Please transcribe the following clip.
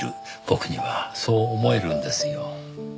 僕にはそう思えるんですよ。